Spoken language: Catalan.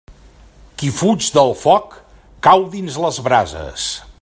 Qui fuig del foc cau dins les brases.